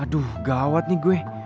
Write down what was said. aduh gawat nih gue